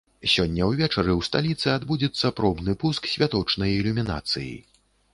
Сёння ўвечары ў сталіцы адбудзецца пробны пуск святочнай ілюмінацыі.